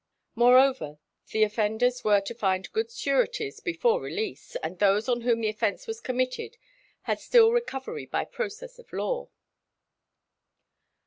Moreover, the offenders were to find good sureties before release, and those on whom the offence was committed had still recovery by process of law.